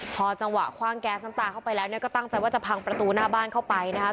พอจังหวะคว่างแก๊สน้ำตาเข้าไปแล้วเนี่ยก็ตั้งใจว่าจะพังประตูหน้าบ้านเข้าไปนะครับ